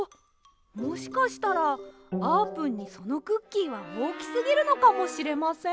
もしかしたらあーぷんにそのクッキーはおおきすぎるのかもしれません。